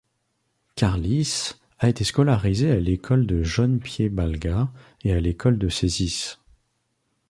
Kārlis a été scolarisé à l'école de Jaunpiebalga et à l'école de Cēsis.